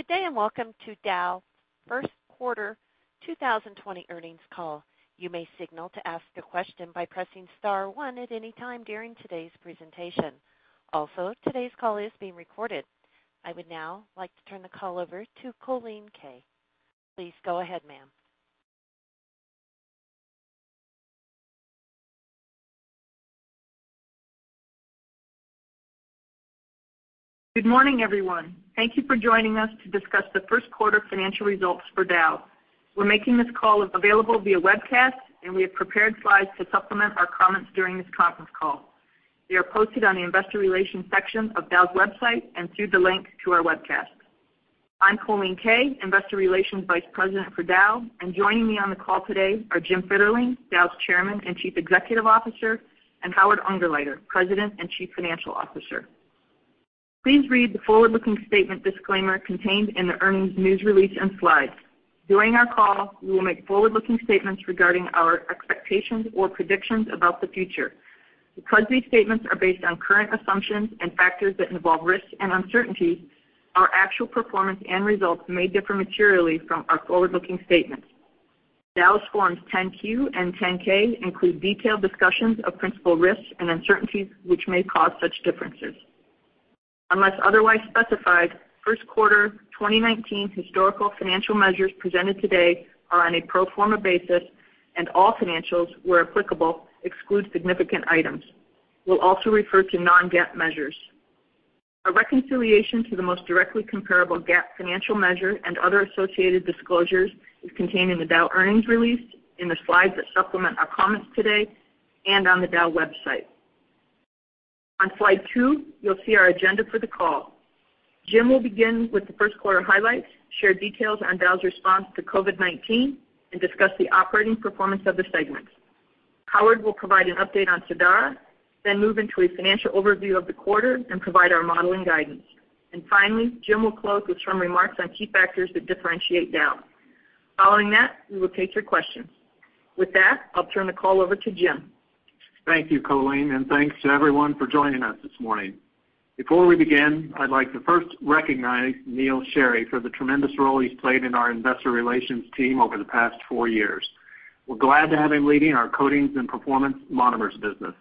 Good day, welcome to Dow first quarter 2020 earnings call. You may signal to ask a question by pressing star one at any time during today's presentation. Today's call is being recorded. I would now like to turn the call over to Colleen Kay. Please go ahead, ma'am. Good morning, everyone. Thank you for joining us to discuss the first quarter financial results for Dow. We're making this call available via webcast, and we have prepared slides to supplement our comments during this conference call. They are posted on the Investor Relations section of Dow's website and through the link to our webcast. I'm Colleen Kay, Investor Relations Vice President for Dow, and joining me on the call today are Jim Fitterling, Dow's Chairman and Chief Executive Officer, and Howard Ungerleider, President and Chief Financial Officer. Please read the forward-looking statement disclaimer contained in the earnings news release and slides. During our call, we will make forward-looking statements regarding our expectations or predictions about the future. Because these statements are based on current assumptions and factors that involve risks and uncertainties, our actual performance and results may differ materially from our forward-looking statements. Dow's Forms 10-Q and 10-K include detailed discussions of principal risks and uncertainties which may cause such differences. Unless otherwise specified, first quarter 2019 historical financial measures presented today are on a pro forma basis, and all financials, where applicable, exclude significant items. We'll also refer to non-GAAP measures. A reconciliation to the most directly comparable GAAP financial measure and other associated disclosures is contained in the Dow earnings release, in the slides that supplement our comments today, and on the Dow website. On slide two, you'll see our agenda for the call. Jim will begin with the first quarter highlights, share details on Dow's response to COVID-19, and discuss the operating performance of the segments. Howard will provide an update on Sadara, move into a financial overview of the quarter and provide our modeling guidance. Finally, Jim will close with some remarks on key factors that differentiate Dow. Following that, we will take your questions. With that, I'll turn the call over to Jim. Thank you, Colleen, and thanks to everyone for joining us this morning. Before we begin, I'd like to first recognize Neal Sheorey for the tremendous role he's played in our Investor Relations team over the past four years. We're glad to have him leading our Coatings & Performance Monomers business.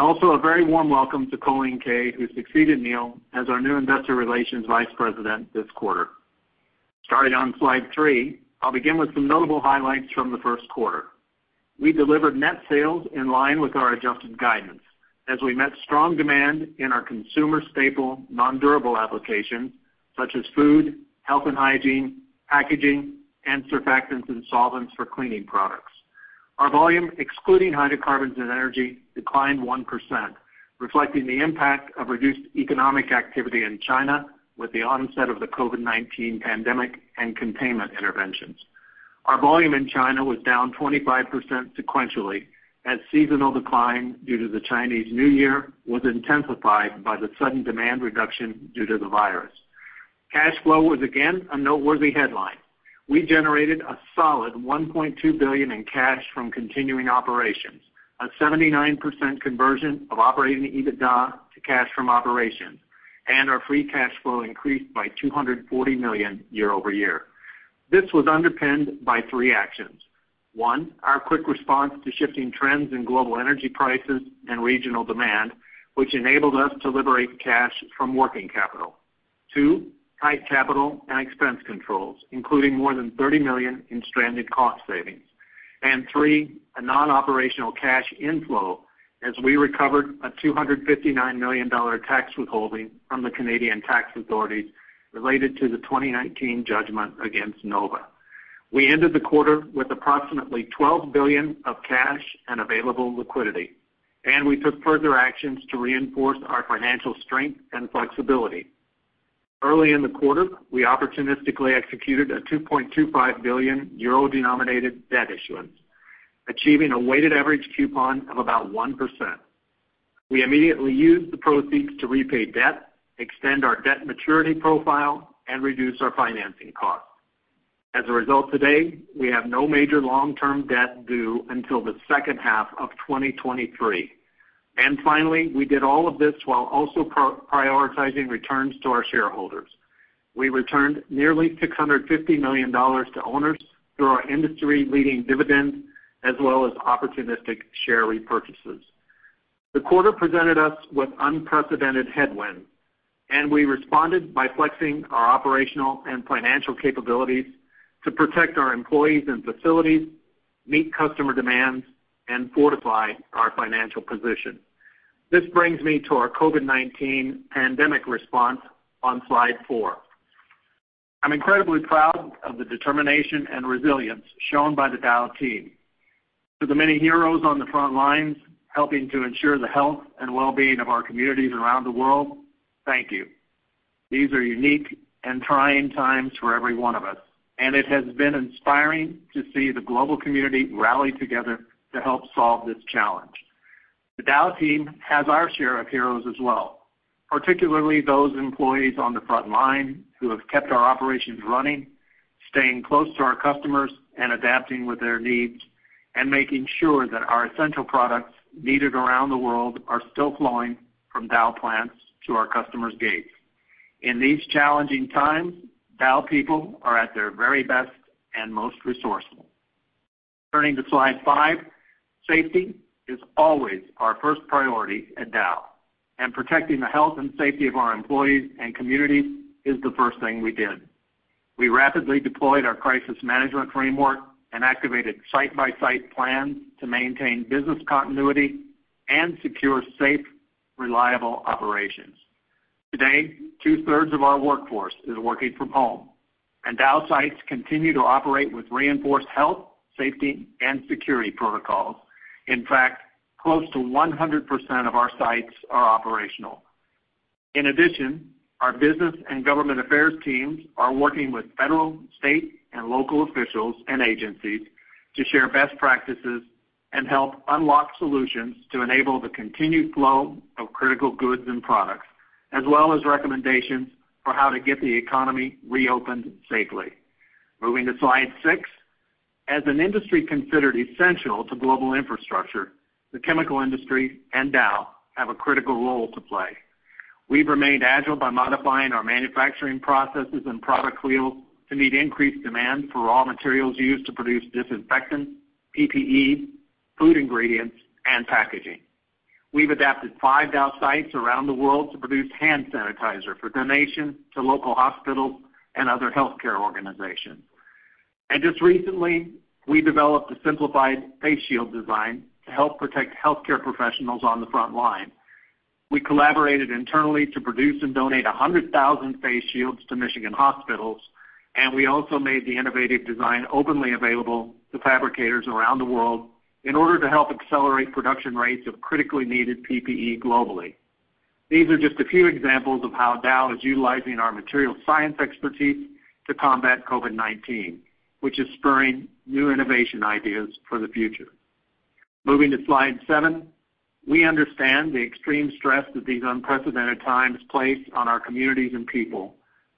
Also, a very warm welcome to Colleen Kay, who succeeded Neal as our new Investor Relations Vice President this quarter. Starting on slide three, I'll begin with some notable highlights from the first quarter. We delivered net sales in line with our adjusted guidance as we met strong demand in our consumer staple nondurable applications, such as food, health and hygiene, packaging, and surfactants and solvents for cleaning products. Our volume, excluding Hydrocarbons and Energy, declined 1%, reflecting the impact of reduced economic activity in China with the onset of the COVID-19 pandemic and containment interventions. Our volume in China was down 25% sequentially as seasonal decline due to the Chinese New Year was intensified by the sudden demand reduction due to the virus. Cash flow was, again, a noteworthy headline. We generated a solid $1.2 billion in cash from continuing operations, a 79% conversion of operating EBITDA to cash from operations. Our free cash flow increased by $240 million year-over-year. This was underpinned by three actions. One, our quick response to shifting trends in global energy prices and regional demand, which enabled us to liberate cash from working capital. Two, tight capital and expense controls, including more than $30 million in stranded cost savings. Three, a non-operational cash inflow as we recovered a $259 million tax withholding from the Canadian tax authorities related to the 2019 judgment against NOVA. We ended the quarter with approximately $12 billion of cash and available liquidity, and we took further actions to reinforce our financial strength and flexibility. Early in the quarter, we opportunistically executed a 2.25 billion euro-denominated debt issuance, achieving a weighted average coupon of about 1%. We immediately used the proceeds to repay debt, extend our debt maturity profile, and reduce our financing costs. As a result, today, we have no major long-term debt due until the second half of 2023. Finally, we did all of this while also prioritizing returns to our shareholders. We returned nearly $650 million to owners through our industry-leading dividends as well as opportunistic share repurchases. The quarter presented us with unprecedented headwinds, and we responded by flexing our operational and financial capabilities to protect our employees and facilities, meet customer demands, and fortify our financial position. This brings me to our COVID-19 pandemic response on slide four. I'm incredibly proud of the determination and resilience shown by the Dow team. To the many heroes on the front lines helping to ensure the health and well-being of our communities around the world, thank you. These are unique and trying times for everyone of us, and it has been inspiring to see the global community rally together to help solve this challenge. The Dow team has our share of heroes as well, particularly those employees on the front line who have kept our operations running. Staying close to our customers and adapting with their needs, and making sure that our essential products needed around the world are still flowing from Dow plants to our customers' gates. In these challenging times, Dow people are at their very best and most resourceful. Turning to slide five, safety is always our first priority at Dow. Protecting the health and safety of our employees and communities is the first thing we did. We rapidly deployed our crisis management framework and activated site-by-site plans to maintain business continuity and secure safe, reliable operations. Today, two-thirds of our workforce is working from home. Dow sites continue to operate with reinforced health, safety, and security protocols. In fact, close to 100% of our sites are operational. In addition, our business and government affairs teams are working with federal, state, and local officials and agencies to share best practices and help unlock solutions to enable the continued flow of critical goods and products, as well as recommendations for how to get the economy reopened safely. Moving to slide six. As an industry considered essential to global infrastructure, the chemical industry and Dow have a critical role to play. We've remained agile by modifying our manufacturing processes and product wheels to meet increased demand for raw materials used to produce disinfectants, PPE, food ingredients, and packaging. We've adapted five Dow sites around the world to produce hand sanitizer for donation to local hospitals and other healthcare organizations. Just recently, we developed a simplified face shield design to help protect healthcare professionals on the front line. We collaborated internally to produce and donate 100,000 face shields to Michigan hospitals, and we also made the innovative design openly available to fabricators around the world in order to help accelerate production rates of critically needed PPE globally. These are just a few examples of how Dow is utilizing our material science expertise to combat COVID-19, which is spurring new innovation ideas for the future. Moving to slide seven. We understand the extreme stress that these unprecedented times place on our communities and people.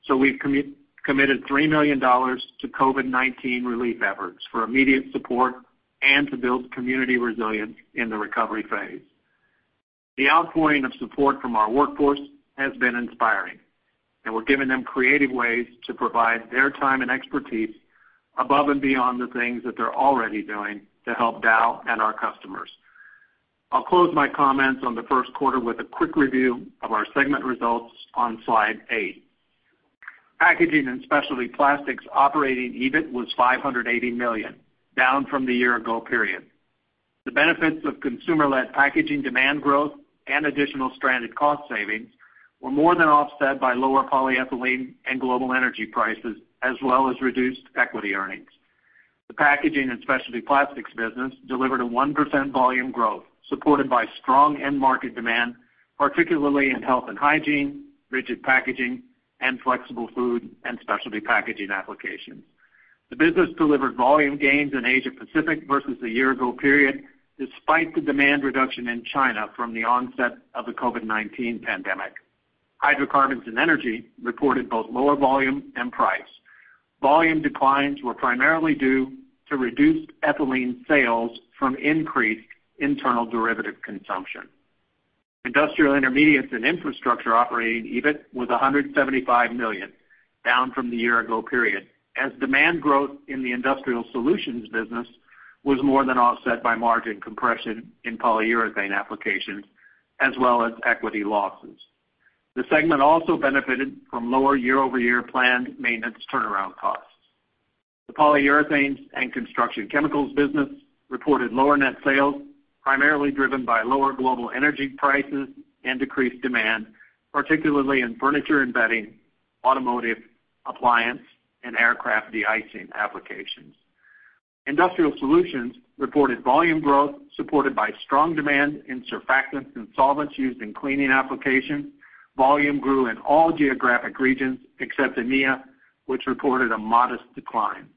We've committed $3 million to COVID-19 relief efforts for immediate support and to build community resilience in the recovery phase. The outpouring of support from our workforce has been inspiring. We're giving them creative ways to provide their time and expertise above and beyond the things that they're already doing to help Dow and our customers. I'll close my comments on the first quarter with a quick review of our segment results on slide eight. Packaging & Specialty Plastics operating EBIT was $580 million, down from the year ago period. The benefits of consumer-led packaging demand growth and additional stranded cost savings were more than offset by lower polyethylene and global energy prices, as well as reduced equity earnings. The Packaging & Specialty Plastics business delivered a 1% volume growth, supported by strong end market demand, particularly in health and hygiene, rigid packaging, and flexible food and specialty packaging applications. The business delivered volume gains in Asia-Pacific versus the year-ago period, despite the demand reduction in China from the onset of the COVID-19 pandemic. Hydrocarbons and Energy reported both lower volume and price. Volume declines were primarily due to reduced ethylene sales from increased internal derivative consumption. Industrial Intermediates and Infrastructure operating EBIT was $175 million, down from the year-ago period, as demand growth in the Industrial Solutions business was more than offset by margin compression in polyurethane applications, as well as equity losses. The segment also benefited from lower year-over-year planned maintenance turnaround costs. The Polyurethanes & Construction Chemicals business reported lower net sales, primarily driven by lower global energy prices and decreased demand, particularly in furniture and bedding, automotive, appliance, and aircraft de-icing applications. Industrial Solutions reported volume growth supported by strong demand in surfactants and solvents used in cleaning applications. Volume grew in all geographic regions except EMEA, which reported a modest decline.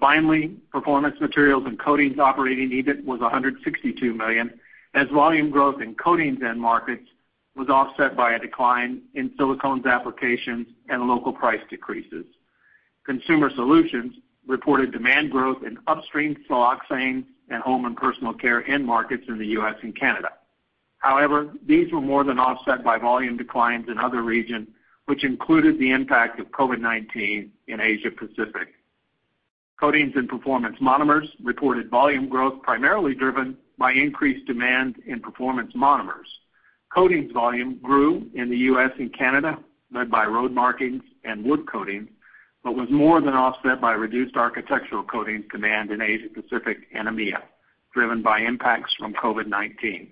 Finally, Performance Materials & Coatings operating EBIT was $162 million, as volume growth in coatings end markets was offset by a decline in siloxanes applications and local price decreases. Consumer Solutions reported demand growth in upstream siloxane and home and personal care end markets in the U.S. and Canada. However, these were more than offset by volume declines in other regions, which included the impact of COVID-19 in Asia-Pacific. Coatings & Performance Monomers reported volume growth primarily driven by increased demand in performance monomers. Coatings volume grew in the U.S. and Canada, led by road markings and wood coatings, but was more than offset by reduced architectural coatings demand in Asia-Pacific and EMEA, driven by impacts from COVID-19.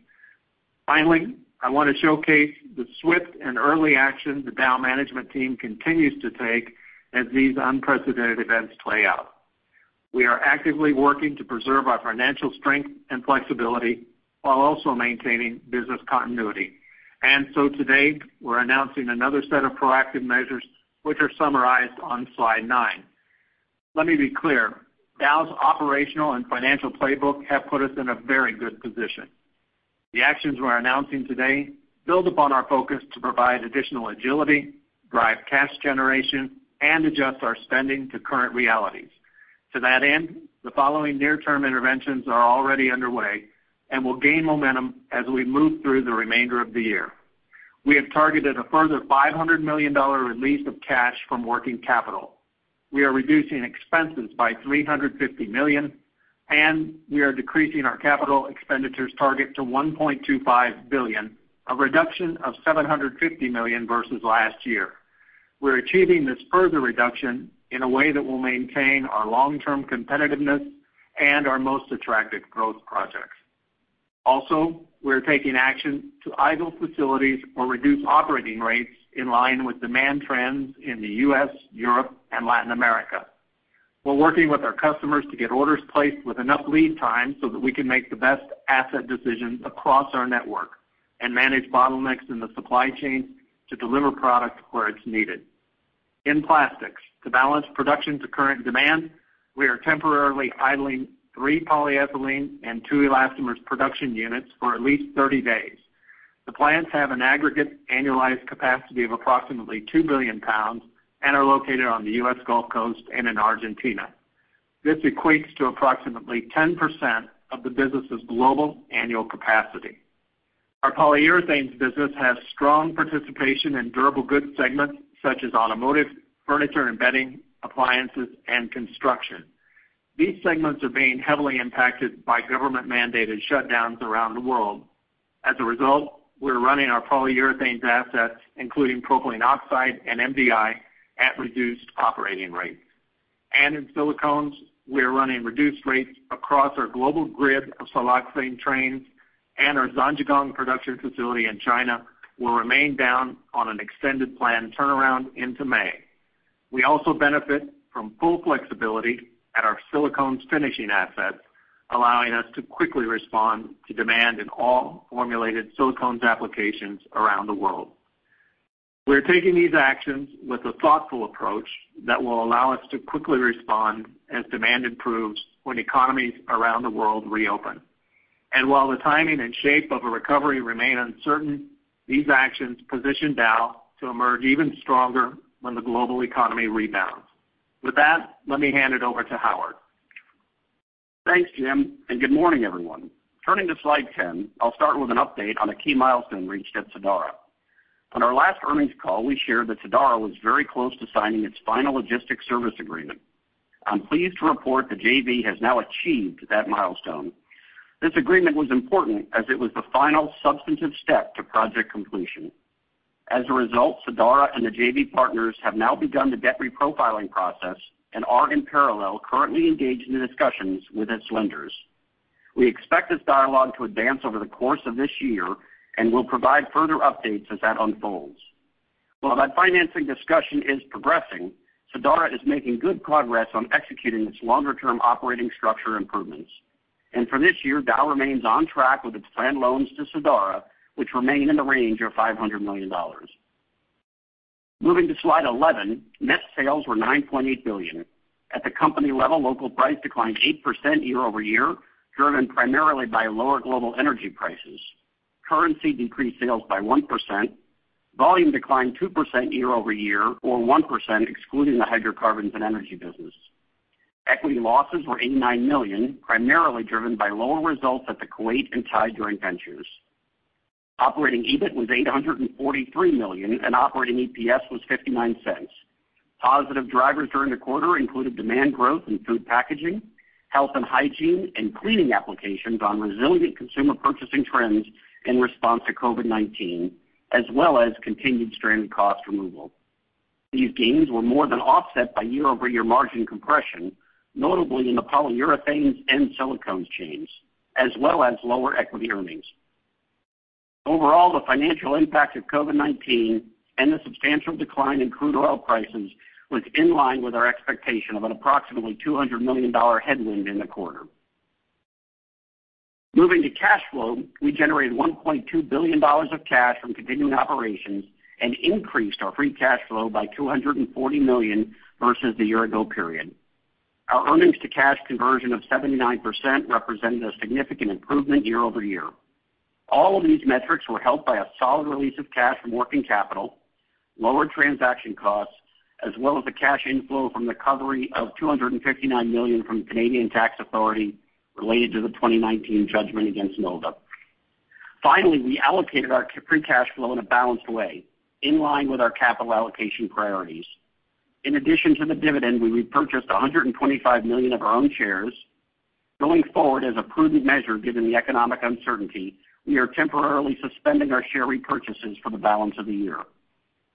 Finally, I want to showcase the swift and early action the Dow management team continues to take as these unprecedented events play out. We are actively working to preserve our financial strength and flexibility while also maintaining business continuity. Today, we're announcing another set of proactive measures, which are summarized on slide nine. Let me be clear, Dow's operational and financial playbook have put us in a very good position. The actions we're announcing today build upon our focus to provide additional agility, drive cash generation, and adjust our spending to current realities. To that end, the following near-term interventions are already underway and will gain momentum as we move through the remainder of the year. We have targeted a further $500 million release of cash from working capital. We are reducing expenses by $350 million, and we are decreasing our capital expenditures target to $1.25 billion, a reduction of $750 million versus last year. We're achieving this further reduction in a way that will maintain our long-term competitiveness and our most attractive growth projects. Also, we're taking action to idle facilities or reduce operating rates in line with demand trends in the U.S., Europe, and Latin America. We're working with our customers to get orders placed with enough lead time so that we can make the best asset decisions across our network and manage bottlenecks in the supply chain to deliver product where it's needed. In plastics, to balance production to current demand, we are temporarily idling three polyethylene and two elastomers production units for at least 30 days. The plants have an aggregate annualized capacity of approximately 2 billion pounds and are located on the U.S. Gulf Coast and in Argentina. This equates to approximately 10% of the business's global annual capacity. Our Polyurethanes business has strong participation in durable goods segments such as automotive, furniture and bedding, appliances, and construction. These segments are being heavily impacted by government-mandated shutdowns around the world. As a result, we're running our polyurethanes assets, including propylene oxide and MDI, at reduced operating rates. In silicones, we are running reduced rates across our global grid of siloxane trains, and our Zhangjiagang production facility in China will remain down on an extended plant turnaround into May. We also benefit from full flexibility at our silicones finishing assets, allowing us to quickly respond to demand in all formulated silicones applications around the world. We're taking these actions with a thoughtful approach that will allow us to quickly respond as demand improves when economies around the world reopen. While the timing and shape of a recovery remain uncertain, these actions position Dow to emerge even stronger when the global economy rebounds. With that, let me hand it over to Howard. Thanks, Jim, and good morning, everyone. Turning to slide 10, I'll start with an update on a key milestone reached at Sadara. On our last earnings call, we shared that Sadara was very close to signing its final logistics service agreement. I'm pleased to report the JV has now achieved that milestone. This agreement was important as it was the final substantive step to project completion. Sadara and the JV partners have now begun the debt reprofiling process and are, in parallel, currently engaged in discussions with its lenders. We expect this dialogue to advance over the course of this year and will provide further updates as that unfolds. While that financing discussion is progressing, Sadara is making good progress on executing its longer-term operating structure improvements. For this year, Dow remains on track with its planned loans to Sadara, which remain in the range of $500 million. Moving to slide 11, net sales were $9.8 billion. At the company level, local price declined 8% year-over-year, driven primarily by lower global energy prices. Currency decreased sales by 1%. Volume declined 2% year-over-year or 1% excluding the Hydrocarbons and Energy business. Equity losses were $89 million, primarily driven by lower results at the Kuwait and Thai joint ventures. Operating EBIT was $843 million, and operating EPS was $0.59. Positive drivers during the quarter included demand growth in food packaging, health and hygiene, and cleaning applications on resilient consumer purchasing trends in response to COVID-19, as well as continued stranded cost removal. These gains were more than offset by year-over-year margin compression, notably in the polyurethanes and silicones chains, as well as lower equity earnings. Overall, the financial impact of COVID-19 and the substantial decline in crude oil prices was in line with our expectation of an approximately $200 million headwind in the quarter. Moving to cash flow, we generated $1.2 billion of cash from continuing operations and increased our free cash flow by $240 million versus the year-ago period. Our earnings-to-cash conversion of 79% represented a significant improvement year-over-year. All of these metrics were helped by a solid release of cash from working capital, lower transaction costs, as well as the cash inflow from the recovery of $259 million from the Canadian Revenue Agency related to the 2019 judgment against NOVA. Finally, we allocated our free cash flow in a balanced way, in line with our capital allocation priorities. In addition to the dividend, we repurchased $125 million of our own shares. Going forward, as a prudent measure given the economic uncertainty, we are temporarily suspending our share repurchases for the balance of the year.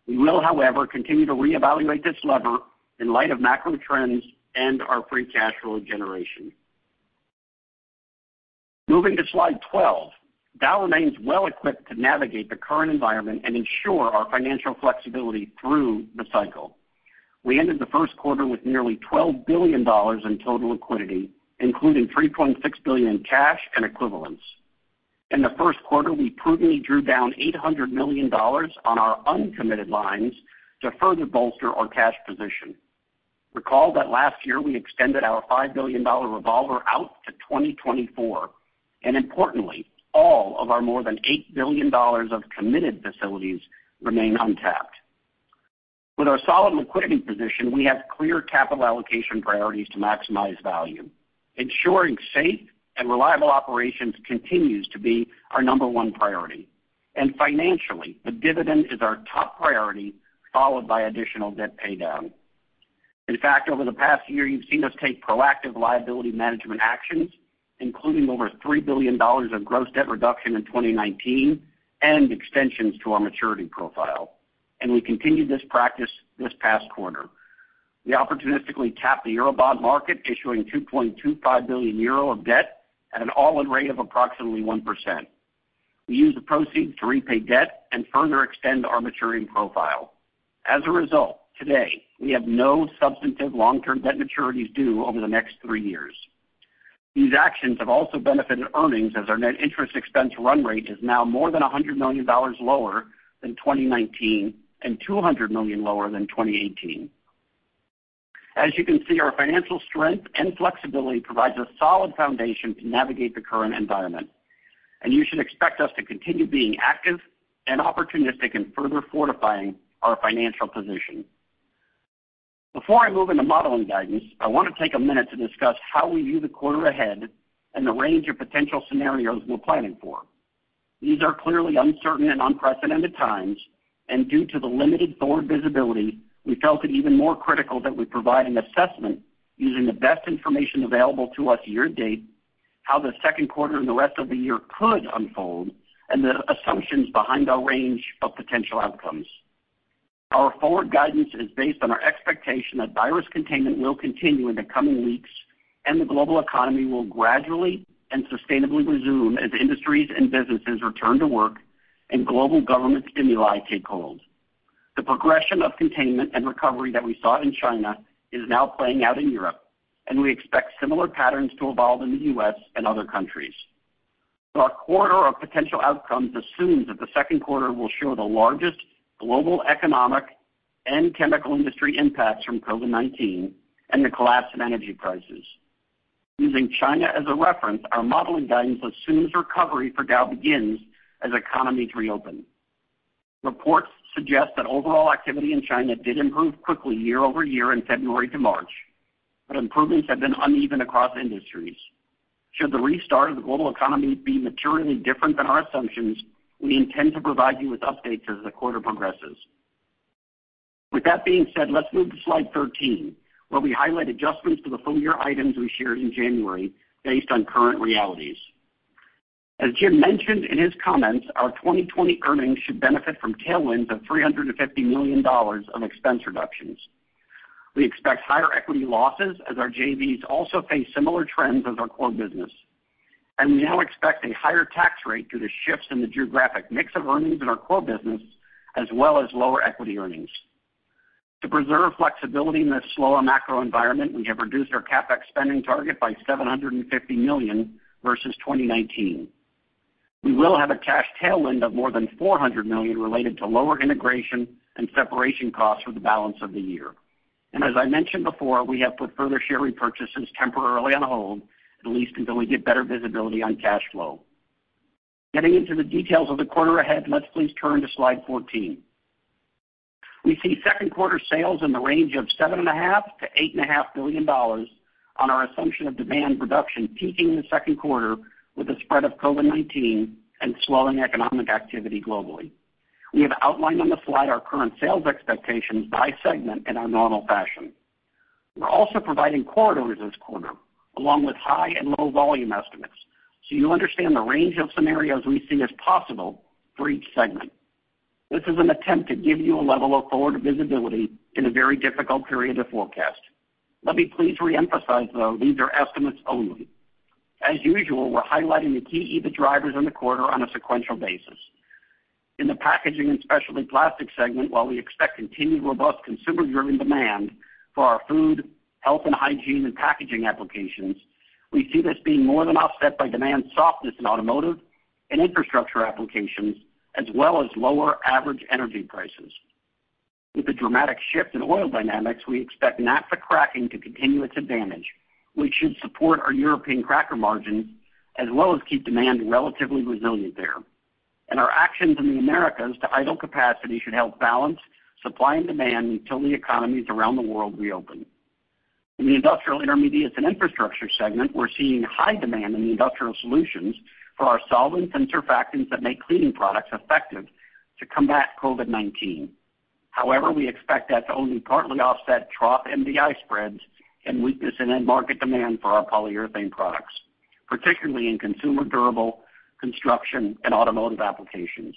We will, however, continue to reevaluate this lever in light of macro trends and our free cash flow generation. Moving to slide 12, Dow remains well-equipped to navigate the current environment and ensure our financial flexibility through the cycle. We ended the first quarter with nearly $12 billion in total liquidity, including $3.6 billion in cash and equivalents. In the first quarter, we prudently drew down $800 million on our uncommitted lines to further bolster our cash position. Recall that last year, we extended our $5 billion revolver out to 2024, and importantly, all of our more than $8 billion of committed facilities remain untapped. With our solid liquidity position, we have clear capital allocation priorities to maximize value. Ensuring safe and reliable operations continues to be our number one priority. Financially, the dividend is our top priority, followed by additional debt paydown. In fact, over the past year, you've seen us take proactive liability management actions, including over $3 billion of gross debt reduction in 2019 and extensions to our maturity profile, and we continued this practice this past quarter. We opportunistically tapped the Eurobond market, issuing 2.25 billion euro of debt at an all-in rate of approximately 1%. We used the proceeds to repay debt and further extend our maturing profile. As a result, today, we have no substantive long-term debt maturities due over the next three years. These actions have also benefited earnings, as our net interest expense run rate is now more than $100 million lower than 2019 and $200 million lower than 2018. As you can see, our financial strength and flexibility provides a solid foundation to navigate the current environment, and you should expect us to continue being active and opportunistic in further fortifying our financial position. Before I move into modeling guidance, I want to take a minute to discuss how we view the quarter ahead and the range of potential scenarios we're planning for. These are clearly uncertain and unprecedented times, and due to the limited forward visibility, we felt it even more critical that we provide an assessment using the best information available to us year-to-date, how the second quarter and the rest of the year could unfold, and the assumptions behind our range of potential outcomes. Our forward guidance is based on our expectation that virus containment will continue in the coming weeks and the global economy will gradually and sustainably resume as industries and businesses return to work and global government stimuli take hold. The progression of containment and recovery that we saw in China is now playing out in Europe, and we expect similar patterns to evolve in the U.S. and other countries. Our quarter of potential outcomes assumes that the second quarter will show the largest global economic and chemical industry impacts from COVID-19 and the collapse in energy prices. Using China as a reference, our modeling guidance assumes recovery for Dow begins as economies reopen. Reports suggest that overall activity in China did improve quickly year-over-year in February to March, but improvements have been uneven across industries. Should the restart of the global economy be materially different than our assumptions, we intend to provide you with updates as the quarter progresses. With that being said, let's move to slide 13, where we highlight adjustments to the full-year items we shared in January based on current realities. As Jim mentioned in his comments, our 2020 earnings should benefit from tailwinds of $350 million of expense reductions. We expect higher equity losses as our JVs also face similar trends as our core business, and we now expect a higher tax rate due to shifts in the geographic mix of earnings in our core business, as well as lower equity earnings. To preserve flexibility in this slower macro environment, we have reduced our CapEx spending target by $750 million versus 2019. We will have a cash tailwind of more than $400 million related to lower integration and separation costs for the balance of the year. As I mentioned before, we have put further share repurchases temporarily on hold, at least until we get better visibility on cash flow. Getting into the details of the quarter ahead, let's please turn to slide 14. We see second-quarter sales in the range of $7.5 billion-$8.5 billion on our assumption of demand reduction peaking in the second quarter with the spread of COVID-19 and slowing economic activity globally. We have outlined on the slide our current sales expectations by segment in our normal fashion. We're also providing corridors this quarter, along with high and low volume estimates, so you understand the range of scenarios we see as possible for each segment. This is an attempt to give you a level of forward visibility in a very difficult period to forecast. Let me please reemphasize, though, these are estimates only. As usual, we're highlighting the key EBIT drivers in the quarter on a sequential basis. In the Packaging & Specialty Plastics segment, while we expect continued robust consumer-driven demand for our food, health and hygiene, and packaging applications, we see this being more than offset by demand softness in automotive and infrastructure applications, as well as lower average energy prices. With the dramatic shift in oil dynamics, we expect naphtha cracking to continue its advantage, which should support our European cracker margins, as well as keep demand relatively resilient there. Our actions in the Americas to idle capacity should help balance supply and demand until the economies around the world reopen. In the Industrial Intermediates & Infrastructure segment, we're seeing high demand in Industrial Solutions for our solvents and surfactants that make cleaning products effective to combat COVID-19. However, we expect that to only partly offset trough MDI spreads and weakness in end market demand for our polyurethane products, particularly in consumer durable, construction, and automotive applications.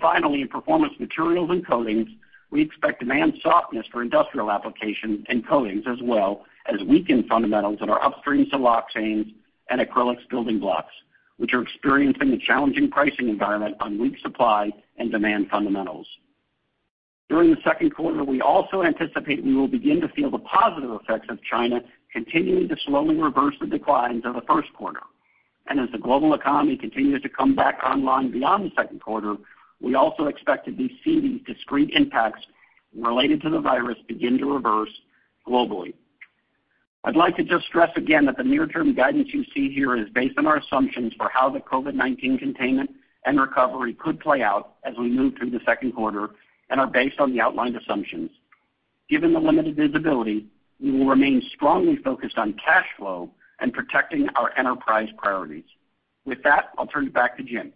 Finally, in Performance Materials & Coatings, we expect demand softness for industrial application and coatings, as well as weakened fundamentals in our upstream siloxanes and acrylics building blocks, which are experiencing a challenging pricing environment on weak supply and demand fundamentals. During the second quarter, we also anticipate we will begin to feel the positive effects of China continuing to slowly reverse the declines of the first quarter. As the global economy continues to come back online beyond the second quarter, we also expect to see these discrete impacts related to the virus begin to reverse globally. I'd like to just stress again that the near-term guidance you see here is based on our assumptions for how the COVID-19 containment and recovery could play out as we move through the second quarter, and are based on the outlined assumptions. Given the limited visibility, we will remain strongly focused on cash flow and protecting our enterprise priorities. With that, I'll turn it back to Jim.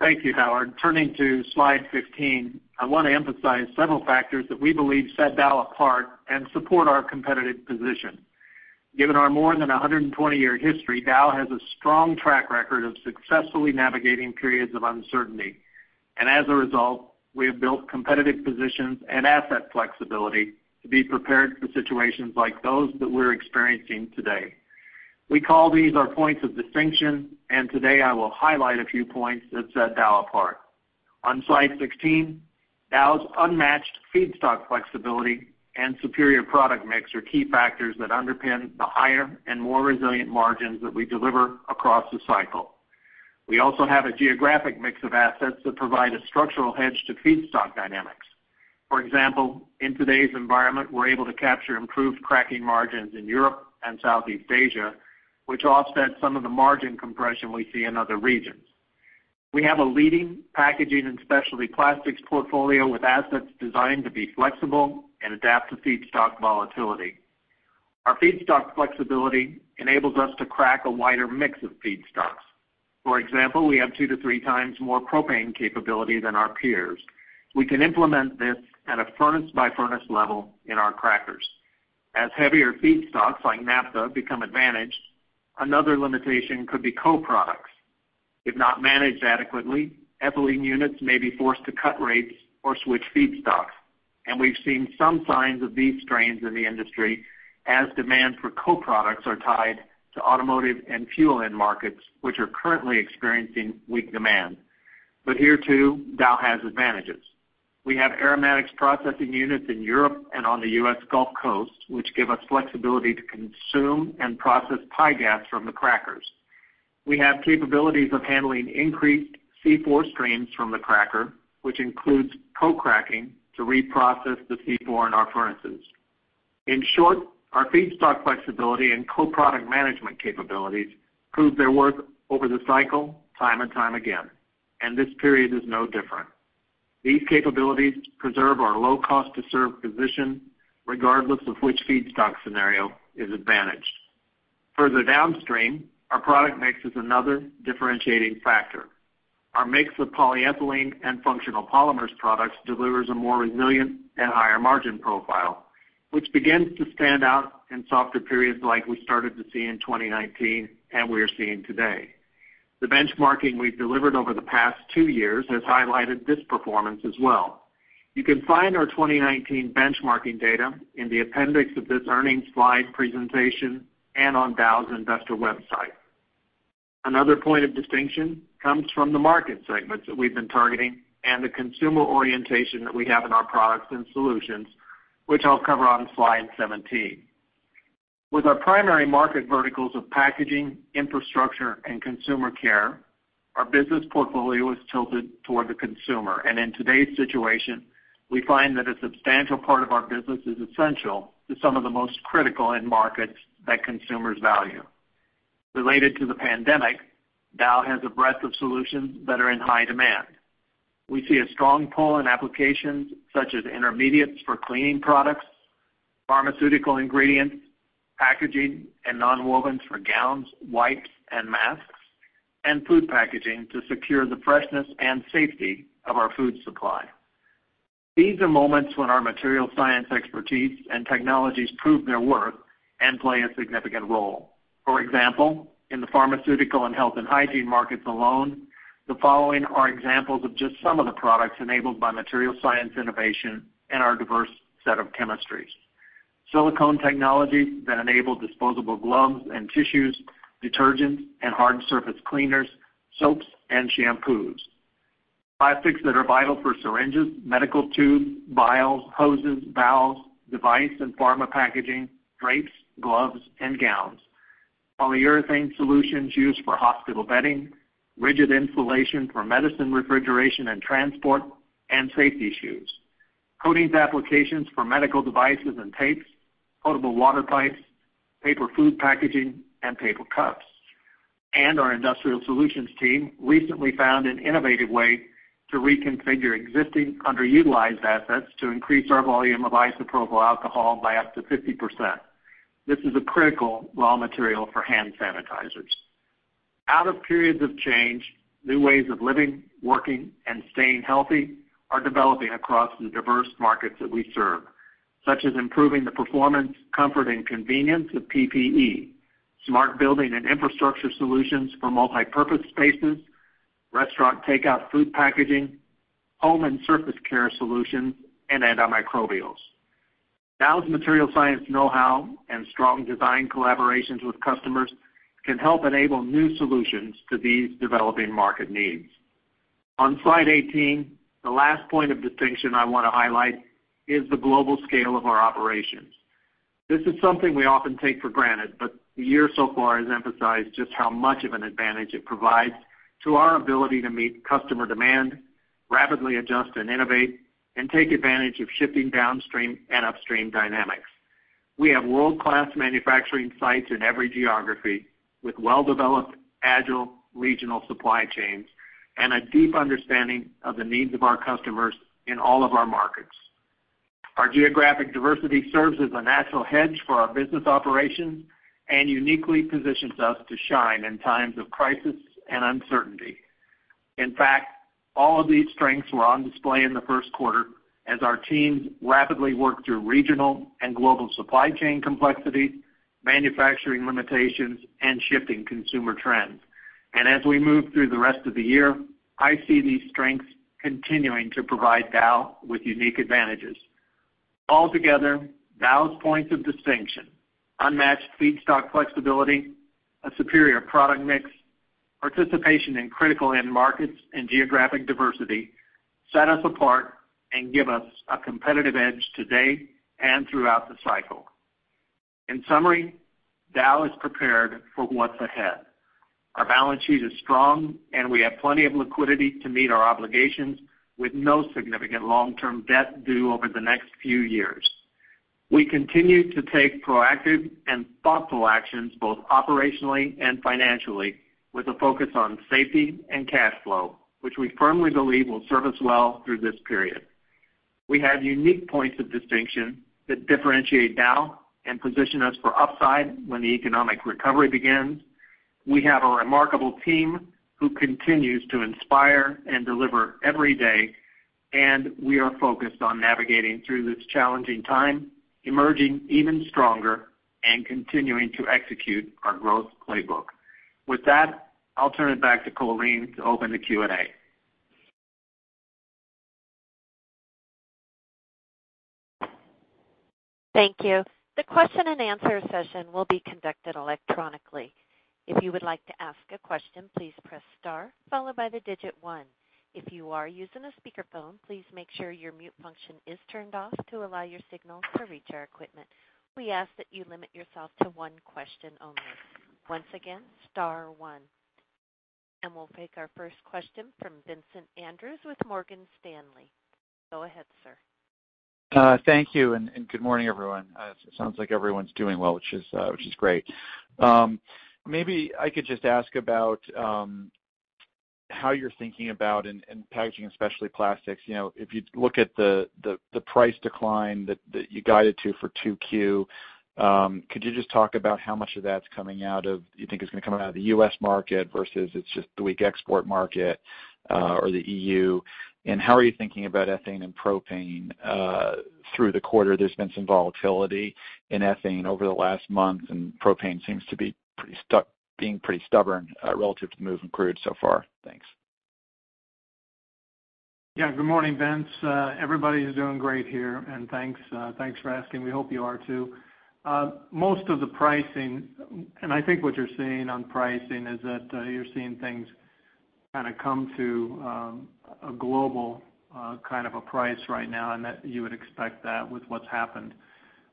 Thank you, Howard. Turning to slide 15, I want to emphasize several factors that we believe set Dow apart and support our competitive position. Given our more than 120-year history, Dow has a strong track record of successfully navigating periods of uncertainty. As a result, we have built competitive positions and asset flexibility to be prepared for situations like those that we're experiencing today. We call these our points of distinction, and today, I will highlight a few points that set Dow apart. On slide 16, Dow's unmatched feedstock flexibility and superior product mix are key factors that underpin the higher and more resilient margins that we deliver across the cycle. We also have a geographic mix of assets that provide a structural hedge to feedstock dynamics. For example, in today's environment, we're able to capture improved cracking margins in Europe and Southeast Asia, which offset some of the margin compression we see in other regions. We have a leading Packaging & Specialty Plastics portfolio with assets designed to be flexible and adapt to feedstock volatility. Our feedstock flexibility enables us to crack a wider mix of feedstocks. For example, we have two to three times more propane capability than our peers. We can implement this at a furnace-by-furnace level in our crackers. As heavier feedstocks like naphtha become advantaged, another limitation could be co-products. If not managed adequately, ethylene units may be forced to cut rates or switch feedstocks. We've seen some signs of these strains in the industry as demand for co-products are tied to automotive and fuel end markets, which are currently experiencing weak demand. Here, too, Dow has advantages. We have aromatics processing units in Europe and on the U.S. Gulf Coast, which give us flexibility to consume and process pygas from the crackers. We have capabilities of handling increased C4 streams from the cracker, which includes co-cracking to reprocess the C4 in our furnaces. In short, our feedstock flexibility and co-product management capabilities prove their worth over the cycle time and time again, and this period is no different. These capabilities preserve our low-cost-to-serve position, regardless of which feedstock scenario is advantaged. Further downstream, our product mix is another differentiating factor. Our mix of polyethylene and functional polymers products delivers a more resilient and higher margin profile, which begins to stand out in softer periods like we started to see in 2019, and we are seeing today. The benchmarking we've delivered over the past two years has highlighted this performance as well. You can find our 2019 benchmarking data in the appendix of this earnings slide presentation and on Dow's investor website. Another point of distinction comes from the market segments that we've been targeting and the consumer orientation that we have in our products and solutions, which I'll cover on slide 17. With our primary market verticals of packaging, infrastructure, and consumer care, our business portfolio is tilted toward the consumer. In today's situation, we find that a substantial part of our business is essential to some of the most critical end markets that consumers value. Related to the pandemic, Dow has a breadth of solutions that are in high demand. We see a strong pull in applications such as intermediates for cleaning products, pharmaceutical ingredients, packaging, and nonwovens for gowns, wipes, and masks, and food packaging to secure the freshness and safety of our food supply. These are moments when our materials science expertise and technologies prove their worth and play a significant role. For example, in the pharmaceutical and health and hygiene markets alone, the following are examples of just some of the products enabled by materials science innovation and our diverse set of chemistries. silicone technologies that enable disposable gloves and tissues, detergents and hard surface cleaners, soaps and shampoos. plastics that are vital for syringes, medical tubes, vials, hoses, valves, device and pharma packaging, drapes, gloves, and gowns. polyurethane solutions used for hospital bedding, rigid insulation for medicine refrigeration and transport, and safety shoes. coatings applications for medical devices and tapes, potable water pipes, paper food packaging, and paper cups. Our Industrial Solutions team recently found an innovative way to reconfigure existing underutilized assets to increase our volume of isopropyl alcohol by up to 50%. This is a critical raw material for hand sanitizers. Out of periods of change, new ways of living, working, and staying healthy are developing across the diverse markets that we serve, such as improving the performance, comfort, and convenience of PPE, smart building and infrastructure solutions for multipurpose spaces, restaurant takeout food packaging, home and surface care solutions, and antimicrobials. Dow's material science know-how and strong design collaborations with customers can help enable new solutions to these developing market needs. On slide 18, the last point of distinction I want to highlight is the global scale of our operations. This is something we often take for granted, but the year so far has emphasized just how much of an advantage it provides to our ability to meet customer demand, rapidly adjust and innovate, and take advantage of shifting downstream and upstream dynamics. We have world-class manufacturing sites in every geography with well-developed, agile regional supply chains and a deep understanding of the needs of our customers in all of our markets. Our geographic diversity serves as a natural hedge for our business operations and uniquely positions us to shine in times of crisis and uncertainty. In fact, all of these strengths were on display in the first quarter as our teams rapidly worked through regional and global supply chain complexities, manufacturing limitations, and shifting consumer trends. As we move through the rest of the year, I see these strengths continuing to provide Dow with unique advantages. All together, Dow's points of distinction, unmatched feedstock flexibility, a superior product mix, participation in critical end markets and geographic diversity set us apart and give us a competitive edge today and throughout the cycle. In summary, Dow is prepared for what's ahead. Our balance sheet is strong, and we have plenty of liquidity to meet our obligations with no significant long-term debt due over the next few years. We continue to take proactive and thoughtful actions, both operationally and financially, with a focus on safety and cash flow, which we firmly believe will serve us well through this period. We have unique points of distinction that differentiate Dow and position us for upside when the economic recovery begins. We have a remarkable team who continues to inspire and deliver every day, and we are focused on navigating through this challenging time, emerging even stronger and continuing to execute our growth playbook. With that, I'll turn it back to Colleen to open the Q&A. Thank you. The question and answer session will be conducted electronically. If you would like to ask a question, please press star followed by the digit one. If you are using a speakerphone, please make sure your mute function is turned off to allow your signal to reach our equipment. We ask that you limit yourself to one question only. Once again, star one. We'll take our first question from Vincent Andrews with Morgan Stanley. Go ahead, sir. Thank you. Good morning, everyone. It sounds like everyone's doing well, which is great. Maybe I could just ask about how you're thinking about, in Packaging & Specialty Plastics, if you look at the price decline that you guided to for 2Q, could you just talk about how much of that you think is going to come out of the U.S. market versus it's just the weak export market or the EU? How are you thinking about ethane and propane through the quarter? There's been some volatility in ethane over the last month, and propane seems to be being pretty stubborn relative to the move in crude so far. Thanks. Yeah. Good morning, Vince. Everybody is doing great here, and thanks for asking. We hope you are, too. Most of the pricing, and I think what you're seeing on pricing is that you're seeing things kind of come to a global kind of a price right now, and that you would expect that with what's happened.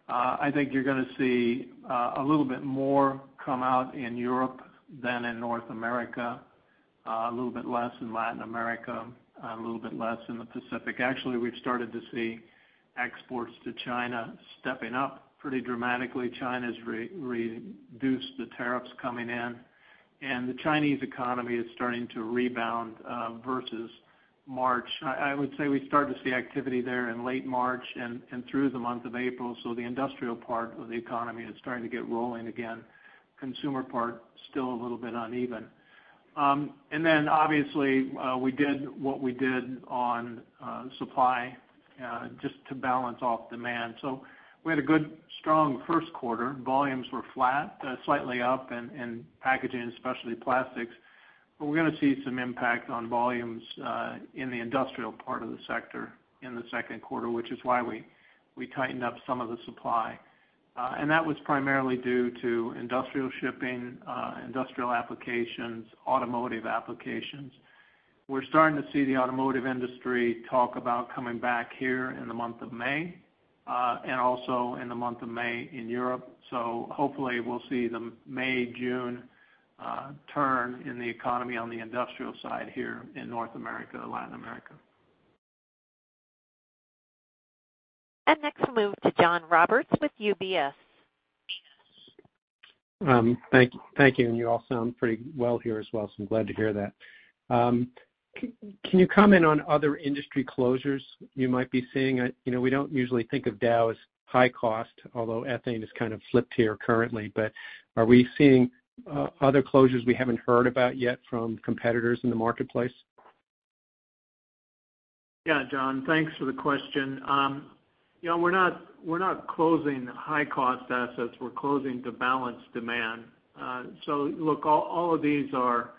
I think you're going to see a little bit more come out in Europe than in North America, a little bit less in Latin America, a little bit less in the Pacific. Actually, we've started to see exports to China stepping up pretty dramatically. China's reduced the tariffs coming in, and the Chinese economy is starting to rebound versus March. I would say we started to see activity there in late March and through the month of April. The industrial part of the economy is starting to get rolling again. Consumer part, still a little bit uneven. Then obviously, we did what we did on supply just to balance off demand. We had a good, strong first quarter. Volumes were flat, slightly up in Packaging & Specialty Plastics, but we're going to see some impact on volumes in the industrial part of the sector in the second quarter, which is why we tightened up some of the supply. That was primarily due to industrial shipping, industrial applications, automotive applications. We're starting to see the automotive industry talk about coming back here in the month of May, and also in the month of May in Europe. Hopefully, we'll see the May, June turn in the economy on the industrial side here in North America, Latin America. Next, we'll move to John Roberts with UBS. Thank you. You all sound pretty well here as well, so I'm glad to hear that. Can you comment on other industry closures you might be seeing? We don't usually think of Dow as high cost, although ethane has kind of flipped here currently. Are we seeing other closures we haven't heard about yet from competitors in the marketplace? Yeah, John, thanks for the question. We're not closing high-cost assets; we're closing to balance demand. Look, all of these are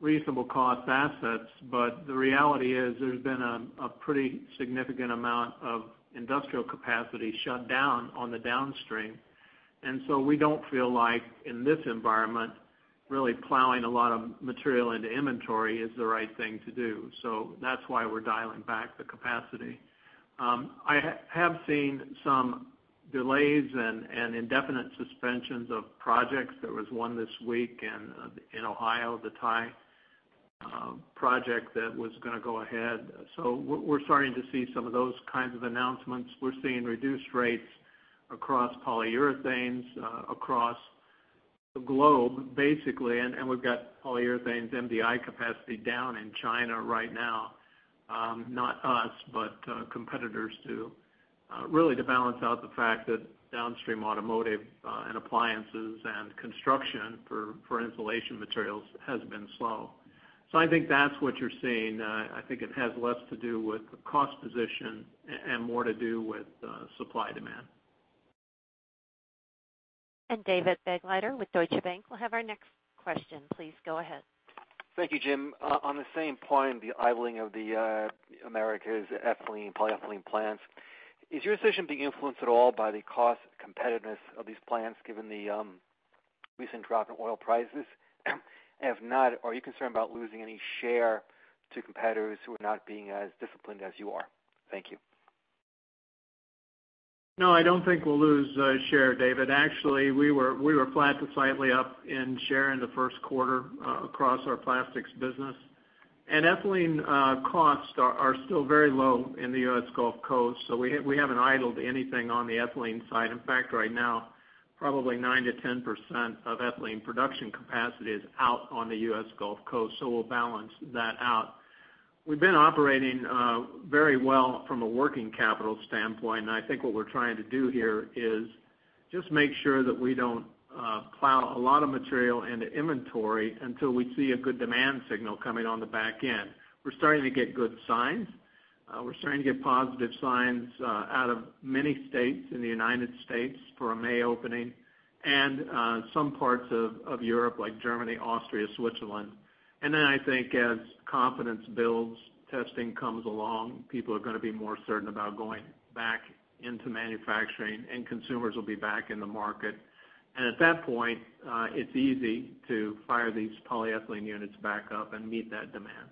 reasonable cost assets, but the reality is there's been a pretty significant amount of industrial capacity shut down on the downstream. We don't feel like in this environment, really plowing a lot of material into inventory is the right thing to do. That's why we're dialing back the capacity. I have seen some delays and indefinite suspensions of projects. There was one this week in Ohio, the PTT project that was going to go ahead. We're starting to see some of those kinds of announcements. We're seeing reduced rates across polyurethanes, across the globe, basically. We've got polyurethanes MDI capacity down in China right now. Not us, but competitors do. Really, to balance out the fact that downstream automotive and appliances and construction for insulation materials has been slow. I think that's what you're seeing. I think it has less to do with the cost position and more to do with supply-demand. David Begleiter with Deutsche Bank will have our next question. Please go ahead. Thank you, Jim. On the same point, the idling of the Americas ethylene, polyethylene plants, is your decision being influenced at all by the cost competitiveness of these plants, given the recent drop in oil prices? If not, are you concerned about losing any share to competitors who are not being as disciplined as you are? Thank you. No, I don't think we'll lose share, David. Actually, we were flat to slightly up in share in the first quarter across our plastics business. Ethylene costs are still very low in the U.S. Gulf Coast. We haven't idled anything on the ethylene side. In fact, right now, probably 9%-10% of ethylene production capacity is out on the U.S. Gulf Coast. We'll balance that out. We've been operating very well from a working capital standpoint, and I think what we're trying to do here is just make sure that we don't plow a lot of material into inventory until we see a good demand signal coming on the back end. We're starting to get good signs. We're starting to get positive signs out of many states in the United States for a May opening and some parts of Europe, like Germany, Austria, Switzerland. I think as confidence builds, testing comes along, people are going to be more certain about going back into manufacturing, and consumers will be back in the market. At that point, it's easy to fire these polyethylene units back up and meet that demand.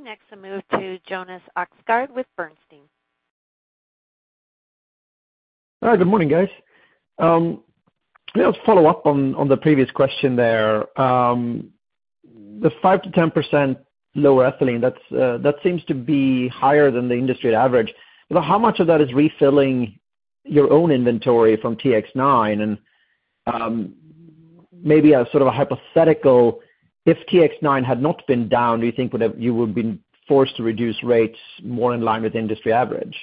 Next, I'll move to Jonas Oxgaard with Bernstein. Hi, good morning, guys. Let's follow up on the previous question there. The 5%-10% lower ethylene, that seems to be higher than the industry average. How much of that is refilling your own inventory from TX9? Maybe as sort of a hypothetical, if TX9 had not been down, do you think you would've been forced to reduce rates more in line with industry average?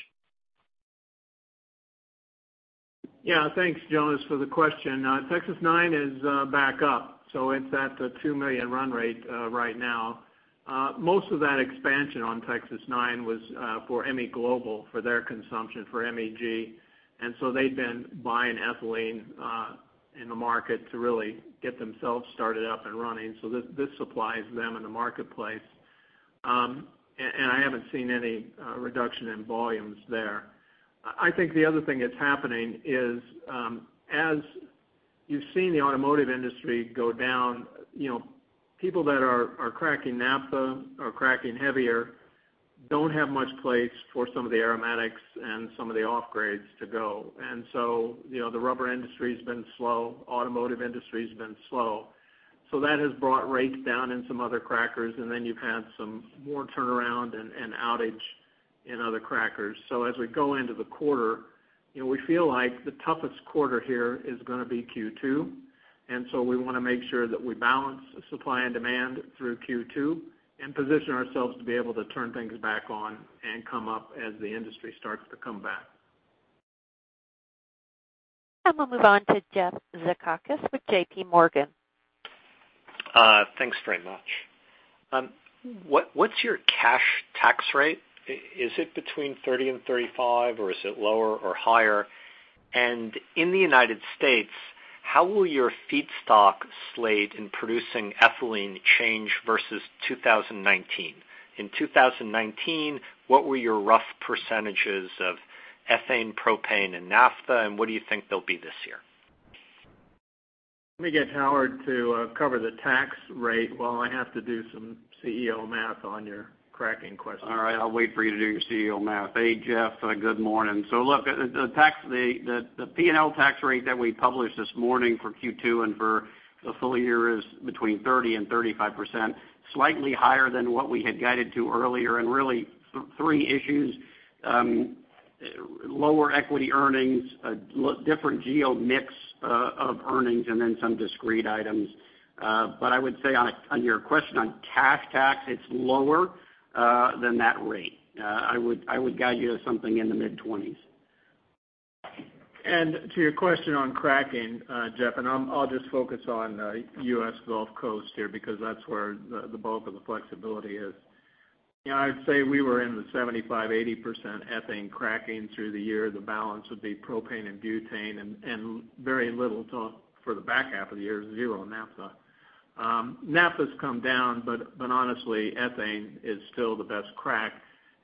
Yeah. Thanks, Jonas, for the question. Texas-9 is back up. It's at the 2 million run rate right now. Most of that expansion on Texas-9 was for MEGlobal for their consumption for MEG. They've been buying ethylene in the market to really get themselves started up and running. This supplies them in the marketplace. I haven't seen any reduction in volumes there. I think the other thing that's happening is as you've seen the automotive industry go down, people that are cracking naphtha or cracking heavier don't have much place for some of the aromatics and some of the off-grades to go. The rubber industry has been slow. Automotive industry has been slow. That has brought rates down in some other crackers, and then you've had some more turnaround and outage in other crackers. As we go into the quarter, we feel like the toughest quarter here is going to be Q2. We want to make sure that we balance supply and demand through Q2 and position ourselves to be able to turn things back on and come up as the industry starts to come back. We'll move on to Jeff Zekauskas with JPMorgan. Thanks very much. What's your cash tax rate? Is it between 30 and 35, or is it lower or higher? In the United States, how will your feedstock slate in producing ethylene change versus 2019? In 2019, what were your rough percentages of ethane, propane and naphtha, and what do you think they'll be this year? Let me get Howard to cover the tax rate while I have to do some CEO math on your cracking question. All right. I'll wait for you to do your CEO math. Hey, Jeff. Good morning. Look, the P&L tax rate that we published this morning for Q2 and for the full year is between 30%-35%, slightly higher than what we had guided to earlier. Really, three issues. Lower equity earnings, a different geo mix of earnings, and then some discrete items. I would say on your question on cash tax, it's lower than that rate. I would guide you to something in the mid-20s. To your question on cracking, Jeff, I'll just focus on U.S. Gulf Coast here because that's where the bulk of the flexibility is. I'd say we were in the 75%-80% ethane cracking through the year. The balance would be propane and butane, and very little to, for the back half of the year, zero naphtha. Naphtha's come down, honestly, ethane is still the best crack.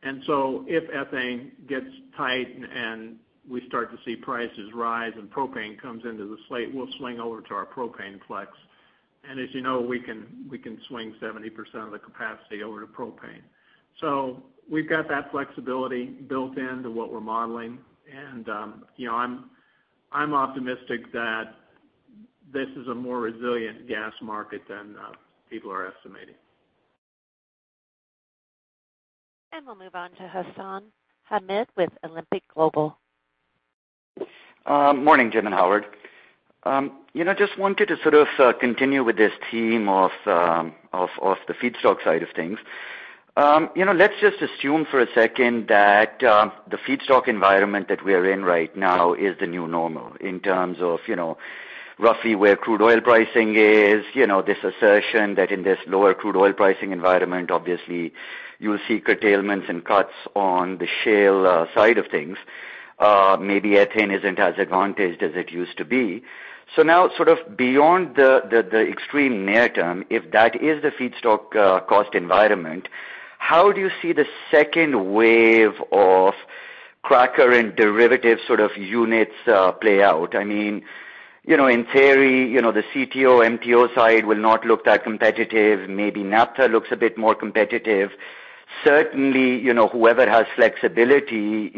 If ethane gets tight and we start to see prices rise and propane comes into the slate, we'll swing over to our propane flex. As you know, we can swing 70% of the capacity over to propane. We've got that flexibility built into what we're modeling. I'm optimistic that this is a more resilient gas market than people are estimating. We'll move on to Hassan Ahmed with Alembic Global. Morning, Jim and Howard. Just wanted to sort of continue with this theme of the feedstock side of things. Let's just assume for a second that the feedstock environment that we are in right now is the new normal in terms of roughly where crude oil pricing is. This assertion that in this lower crude oil pricing environment, obviously you'll see curtailments and cuts on the shale side of things. Maybe ethane isn't as advantaged as it used to be. Now sort of beyond the extreme near term, if that is the feedstock cost environment, how do you see the second wave of cracker and derivative sort of units play out? In theory, the CTO, MTO side will not look that competitive. Maybe naphtha looks a bit more competitive. Certainly, whoever has flexibility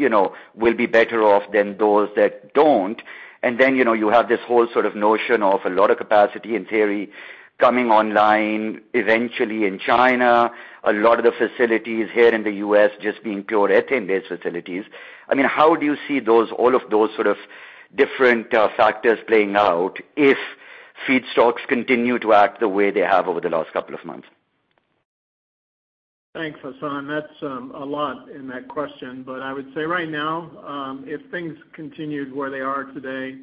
will be better off than those that don't. You have this whole sort of notion of a lot of capacity in theory coming online eventually in China, a lot of the facilities here in the U.S. just being pure ethane-based facilities. How do you see all of those sort of different factors playing out if feedstocks continue to act the way they have over the last couple of months? Thanks, Hassan. That's a lot in that question. I would say right now, if things continued where they are today,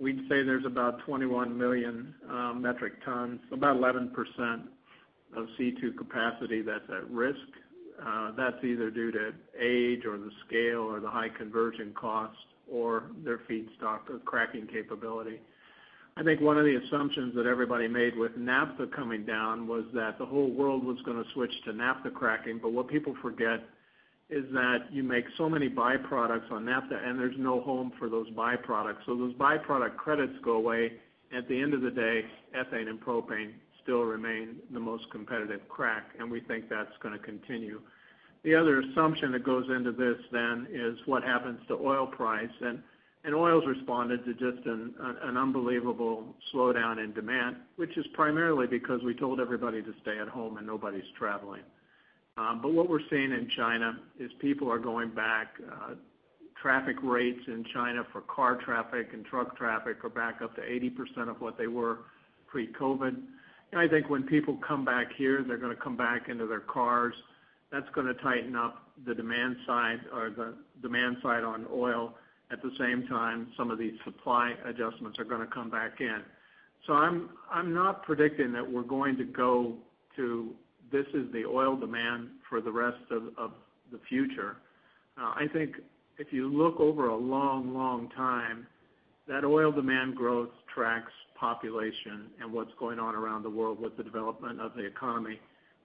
we'd say there's about 21 million metric tons, about 11% of C2 capacity that's at risk. That's either due to age or the scale or the high conversion cost or their feedstock, or cracking capability. I think one of the assumptions that everybody made with naphtha coming down was that the whole world was gonna switch to naphtha cracking, but what people forget is that you make so many byproducts on naphtha, and there's no home for those byproducts. Those byproduct credits go away. At the end of the day, ethane and propane still remain the most competitive crack, and we think that's gonna continue. The other assumption that goes into this, then is what happens to oil price. Oil's responded to just an unbelievable slowdown in demand, which is primarily because we told everybody to stay at home and nobody's traveling. What we're seeing in China is people are going back. Traffic rates in China for car traffic and truck traffic are back up to 80% of what they were pre-COVID-19. I think when people come back here, they're gonna come back into their cars. That's gonna tighten up the demand side on oil. At the same time, some of these supply adjustments are gonna come back in. I'm not predicting that we're going to go to this is the oil demand for the rest of the future. I think if you look over a long time, that oil demand growth tracks population and what's going on around the world with the development of the economy.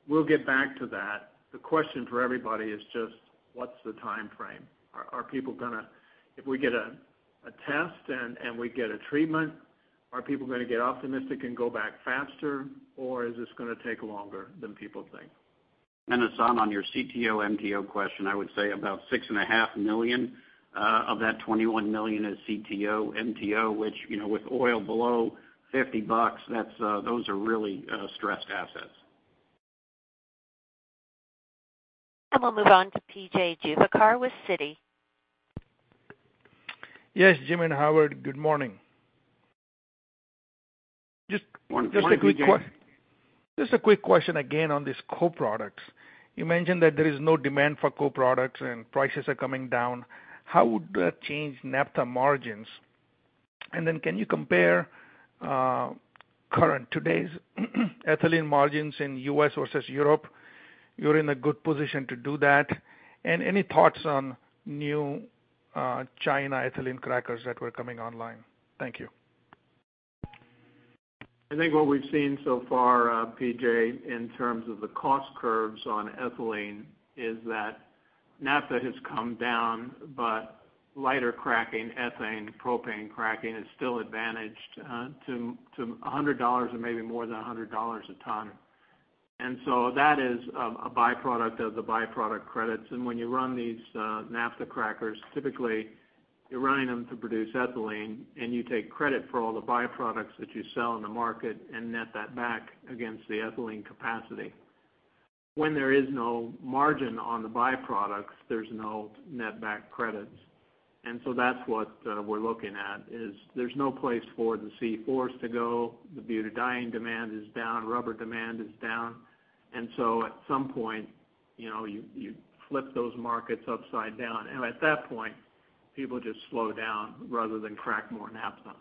We'll get back to that. The question for everybody is just, what's the timeframe? If we get a test and we get a treatment, are people gonna get optimistic and go back faster, or is this gonna take longer than people think? Hassan, on your CTO, MTO question, I would say about $6.5 million of that $21 million is CTO, MTO, which with oil below 50 bucks, those are really stressed assets. We'll move on to P.J. Juvekar with Citi. Yes, Jim and Howard, good morning. Morning, P.J. Just a quick question again on these co-products. You mentioned that there is no demand for co-products and prices are coming down. How would that change naphtha margins? Can you compare current, today's ethylene margins in U.S. versus Europe? You're in a good position to do that. Any thoughts on new China ethylene crackers that were coming online? Thank you. I think what we've seen so far, P.J., in terms of the cost curves on ethylene is that naphtha has come down, but lighter cracking, ethane, propane cracking is still advantaged to $100 or maybe more than $100 a ton. That is a byproduct of the byproduct credits. When you run these naphtha crackers, typically you're running them to produce ethylene, and you take credit for all the byproducts that you sell in the market and net that back against the ethylene capacity. When there is no margin on the byproducts, there's no net back credits. That's what we're looking at, is there's no place for the C4s to go. The butadiene demand is down, rubber demand is down. At some point, you flip those markets upside down. At that point, people just slow down rather than crack more naphtha.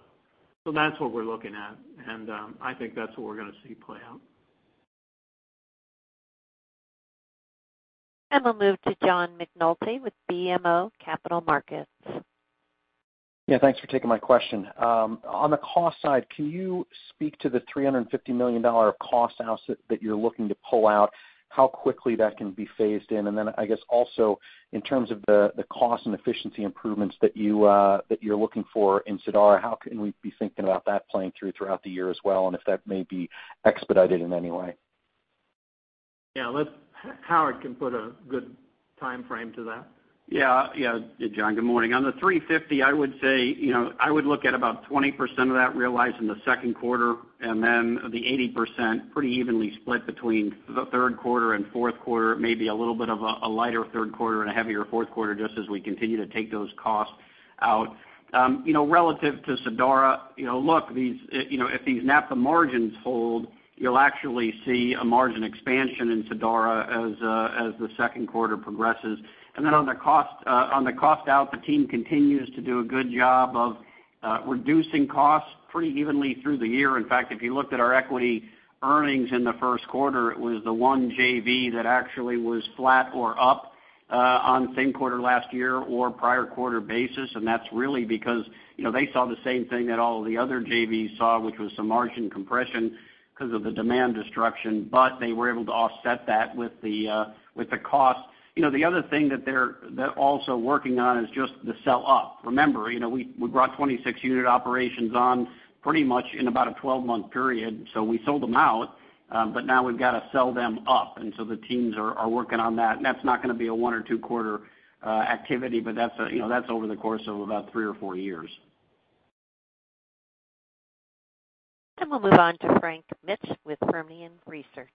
That's what we're looking at, and I think that's what we're gonna see play out. We'll move to John McNulty with BMO Capital Markets. Yeah, thanks for taking my question. On the cost side, can you speak to the $350 million of cost out that you're looking to pull out, how quickly that can be phased in? Then, I guess also in terms of the cost and efficiency improvements that you're looking for in Sadara, how can we be thinking about that playing through throughout the year as well, and if that may be expedited in any way? Yeah. Howard can put a good timeframe to that. John, good morning. On the $350, I would look at about 20% of that realized in the second quarter, then the 80% pretty evenly split between the third quarter and fourth quarter, maybe a little bit of a lighter third quarter and a heavier fourth quarter, just as we continue to take those costs out. Relative to Sadara, look, if these naphtha margins hold, you'll actually see a margin expansion in Sadara as the second quarter progresses. On the cost out, the team continues to do a good job of reducing costs pretty evenly through the year. In fact, if you looked at our equity earnings in the first quarter, it was the one JV that actually was flat or up on same-quarter last year or prior-quarter basis, and that's really because they saw the same thing that all of the other JVs saw, which was some margin compression because of the demand destruction. They were able to offset that with the cost. The other thing that they're also working on is just the sell-up. Remember, we brought 26 unit operations on pretty much in about a 12-month period. We sold them out. Now we've got to sell them up, and so the teams are working on that, and that's not going to be a one or two quarter activity, but that's over the course of about three or four years. We'll move on to Frank Mitsch with Fermium Research.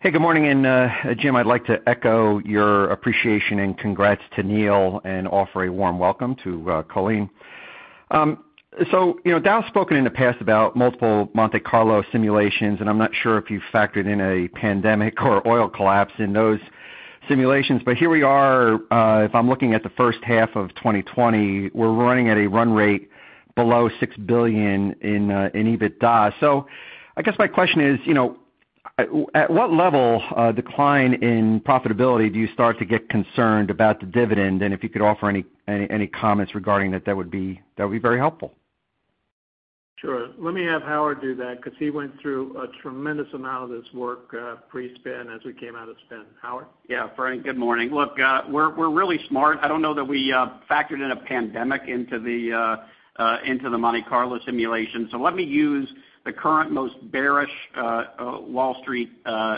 Hey, good morning. Jim, I'd like to echo your appreciation and congrats to Neal and offer a warm welcome to Colleen. Dow's spoken in the past about multiple Monte Carlo simulations, and I'm not sure if you factored in a pandemic or oil collapse in those simulations. Here we are. If I'm looking at the first half of 2020, we're running at a run rate below $6 billion in EBITDA. I guess my question is, at what level decline in profitability do you start to get concerned about the dividend? If you could offer any comments regarding that would be very helpful. Sure. Let me have Howard do that because he went through a tremendous amount of this work pre-spin as we came out of spin. Howard? Yeah. Frank, good morning. We're really smart. I don't know that we factored in a pandemic into the Monte Carlo simulation. Let me use the current most bearish Wall Street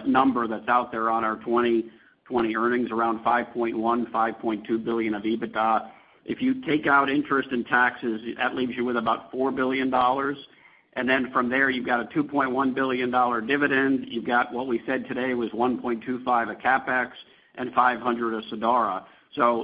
number that's out there on our 2020 earnings, around $5.1 billion-$5.2 billion of EBITDA. If you take out interest and taxes, that leaves you with about $4 billion. From there, you've got a $2.1 billion dividend. You've got what we said today was $1.25 of CapEx and $500 of Sadara.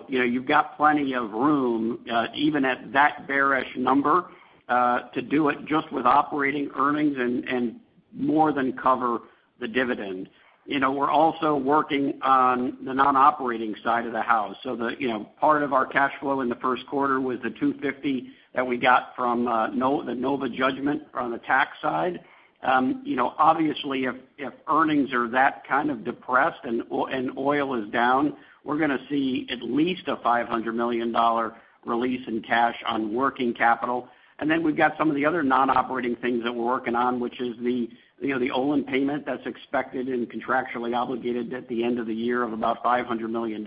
You've got plenty of room, even at that bearish number, to do it just with operating earnings and more than cover the dividend. We're also working on the non-operating side of the house. Part of our cash flow in the first quarter was the $250 that we got from the NOVA judgment on the tax side. Obviously, if earnings are that kind of depressed and oil is down, we're going to see at least a $500 million release in cash on working capital. Then we've got some of the other non-operating things that we're working on, which is the Olin payment that's expected and contractually obligated at the end of the year of about $500 million.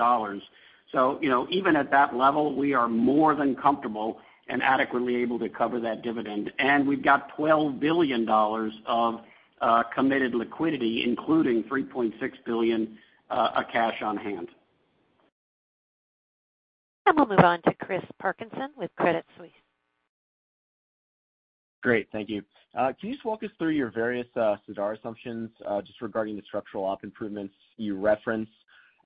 Even at that level, we are more than comfortable and adequately able to cover that dividend. We've got $12 billion of committed liquidity, including $3.6 billion of cash on hand. We'll move on to Chris Parkinson with Credit Suisse. Great. Thank you. Can you just walk us through your various Sadara assumptions just regarding the structural op improvements you referenced,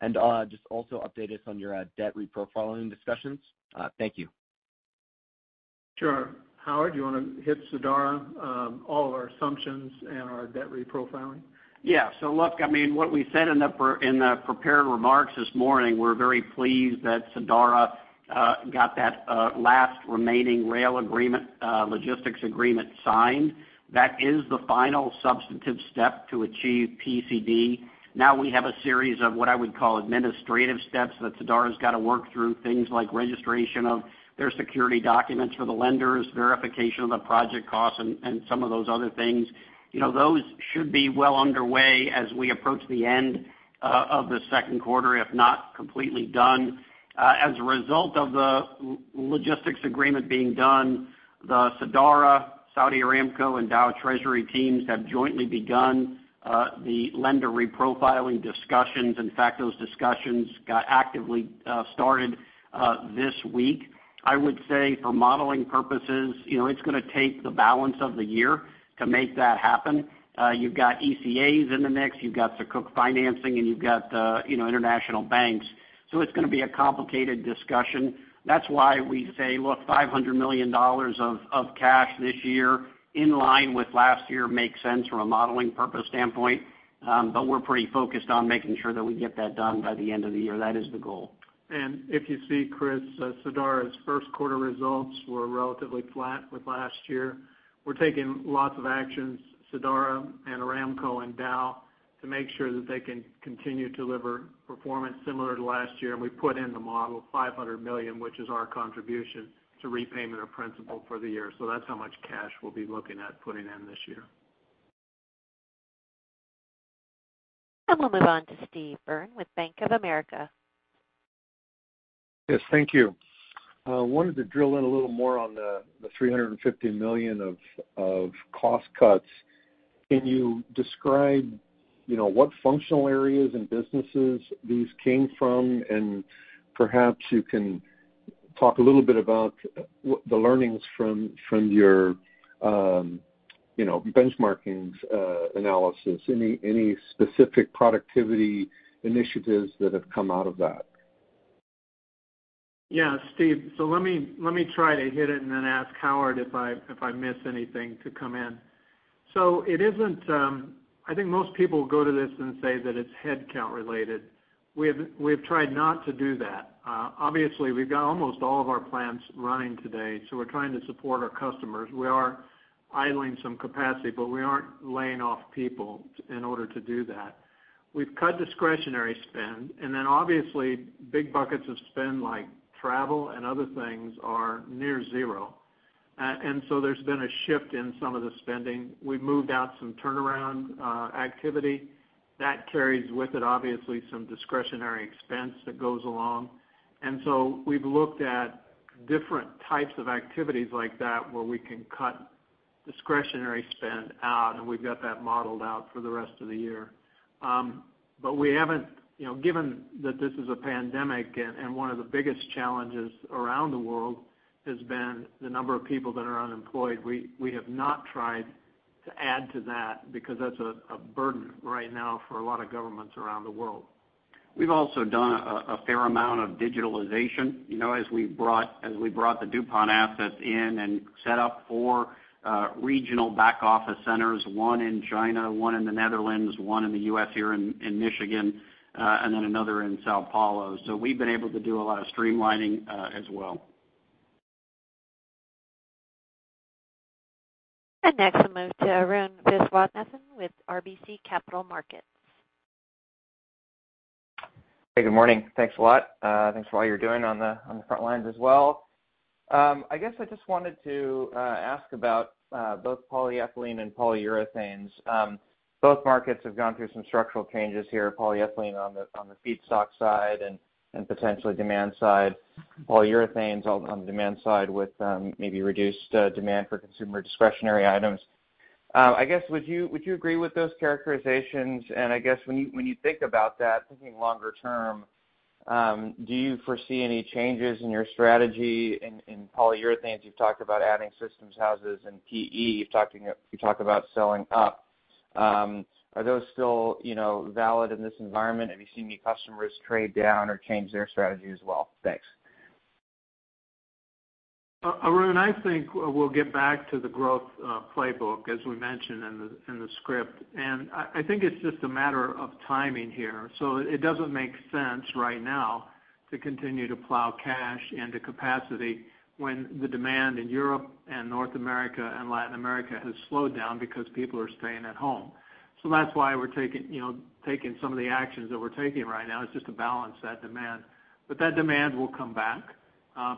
and just also update us on your debt reprofiling discussions? Thank you. Sure. Howard, do you want to hit Sadara, all of our assumptions, and our debt reprofiling? Look, what we said in the prepared remarks this morning, we're very pleased that Sadara got that last remaining rail agreement, logistics agreement signed. That is the final substantive step to achieve PCD. Now we have a series of what I would call administrative steps that Sadara's got to work through, things like registration of their security documents for the lenders, verification of the project costs, and some of those other things. Those should be well underway as we approach the end of the second quarter, if not completely done. As a result of the logistics agreement being done, the Sadara, Saudi Aramco, and Dow Treasury teams have jointly begun the lender reprofiling discussions. In fact, those discussions got actively started this week. I would say for modeling purposes, it's going to take the balance of the year to make that happen. You've got ECAs in the mix, you've got the Sukuk financing, you've got the international banks. It's going to be a complicated discussion. That's why we say, look, $500 million of cash this year in line with last year makes sense from a modeling purpose standpoint. We're pretty focused on making sure that we get that done by the end of the year. That is the goal. If you see, Chris, Sadara's first quarter results were relatively flat with last year. We're taking lots of actions, Sadara, Aramco and Dow, to make sure that they can continue to deliver performance similar to last year. We put in the model $500 million, which is our contribution to repayment of principal for the year. That's how much cash we'll be looking at putting in this year. We'll move on to Steve Byrne with Bank of America. Yes, thank you. Wanted to drill in a little more on the $350 million of cost cuts. Can you describe what functional areas and businesses these came from, and perhaps you can talk a little bit about what the learnings from your benchmarking analysis. Any specific productivity initiatives that have come out of that? Yeah, Steve. Let me try to hit it and then ask Howard, if I miss anything, to come in. I think most people go to this and say that it's headcount-related. We've tried not to do that. Obviously, we've got almost all of our plants running today, so we're trying to support our customers. We are idling some capacity, but we aren't laying off people in order to do that. We've cut discretionary spend, and then obviously big buckets of spend like travel and other things are near zero. There's been a shift in some of the spending. We've moved out some turnaround activity. That carries with it, obviously, some discretionary expense that goes along. We've looked at different types of activities like that where we can cut discretionary spend out, and we've got that modeled out for the rest of the year. Given that this is a pandemic and one of the biggest challenges around the world has been the number of people that are unemployed, we have not tried to add to that because that's a burden right now for a lot of governments around the world. We've also done a fair amount of digitalization, as we brought the DuPont assets in and set up four regional back office centers. One in China, one in the Netherlands, one in the U.S. here in Michigan, and then another in São Paulo. We've been able to do a lot of streamlining as well. Next, we'll move to Arun Viswanathan with RBC Capital Markets. Hey, good morning. Thanks a lot. Thanks for all you're doing on the front lines as well. I guess I just wanted to ask about both polyethylene and polyurethanes. Both markets have gone through some structural changes here, polyethylene on the feedstock side and potentially demand side, polyurethanes on the demand side, with maybe reduced demand for consumer discretionary items. I guess, would you agree with those characterizations? I guess when you think about that, thinking longer term, do you foresee any changes in your strategy in polyurethanes? You've talked about adding systems houses and PE. You talked about selling up. Are those still valid in this environment? Have you seen any customers trade down or change their strategy as well? Thanks. Arun, I think we'll get back to the growth playbook, as we mentioned in the script. I think it's just a matter of timing here. It doesn't make sense right now to continue to plow cash into capacity when the demand in Europe and North America, and Latin America has slowed down because people are staying at home. That's why we're taking some of the actions that we're taking right now, is just to balance that demand. That demand will come back.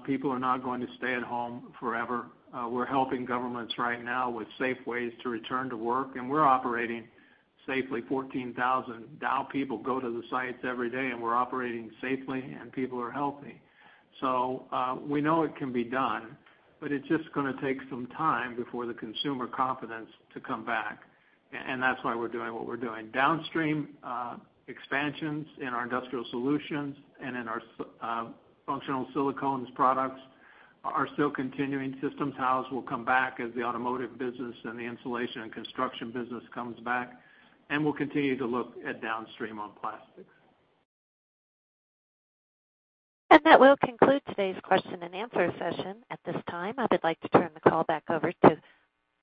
People are not going to stay at home forever. We're helping governments right now with safe ways to return to work, and we're operating safely. 14,000 Dow people go to the sites every day, and we're operating safely, and people are healthy. We know it can be done, but it's just going to take some time before the consumer confidence to come back. That's why we're doing what we're doing. Downstream expansions in our Industrial Solutions and in our functional silicones products are still continuing. Systems house will come back as the automotive business and the insulation and construction business comes back, and we'll continue to look at downstream on plastics. That will conclude today's question and answer session. At this time, I would like to turn the call back over to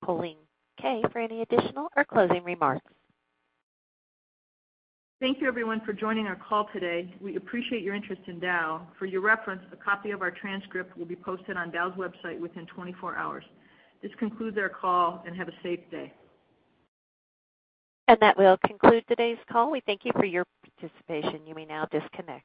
Colleen Kay for any additional or closing remarks. Thank you, everyone, for joining our call today. We appreciate your interest in Dow. For your reference, a copy of our transcript will be posted on Dow's website within 24 hours. This concludes our call, and have a safe day. That will conclude today's call. We thank you for your participation. You may now disconnect.